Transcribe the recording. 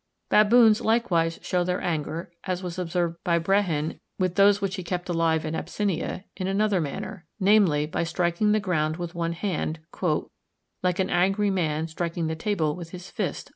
Baboons likewise show their anger, as was observed by Brehin with those which he kept alive in Abyssinia, in another manner, namely, by striking the ground with one hand, "like an angry man striking the table with his fist."